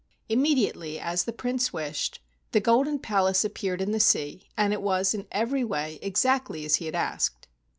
Immediately, as the Prince wished, the golden palace appeared in the sea, and it was in every way exactly as he had asked.